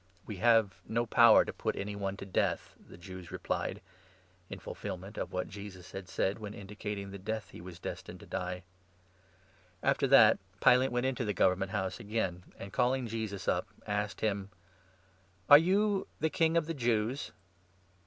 "We have no power to put any one to death," the Jews replied — in fulfilment of what Jesus had said when indicating 32 the death that he was destined to die. After that, Pilate went into the Government House again, 33 and calling Jesus up, asked him :" Are you the King of the Jews